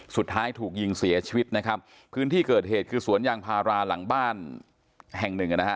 สุดท้ายถูกยิงเสียชีวิตนะครับพื้นที่เกิดเหตุคือสวนยางพาราหลังบ้านแห่งหนึ่งนะฮะ